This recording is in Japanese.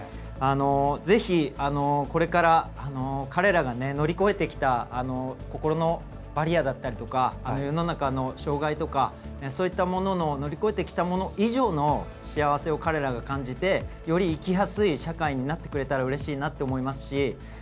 ぜひ、これから彼らが乗り越えてきた心のバリアだったりとか世の中の障がいとか、そういったものを乗り越えてきたもの以上の幸せを彼らが感じてより生きやすい社会になってくれたらうれしいなって思いますし